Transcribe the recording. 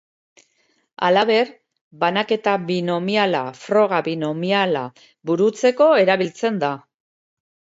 Halaber, banaketa binomiala froga binomiala burutzeko erabiltzen da.